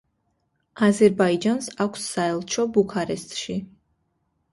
აზერბაიჯანს აქვს საელჩო ბუქარესტში.